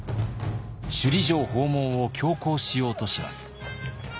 首里城訪問を強行しようとします。